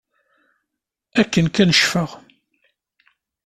Akken kan ccfeɣ.